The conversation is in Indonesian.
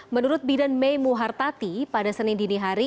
menurut bidan may muhartati pada senin dinihari